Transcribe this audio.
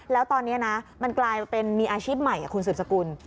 แล้วตอนนี้นะมันกลายเป็นมีอาชีพใหม่คุณสืบสกุล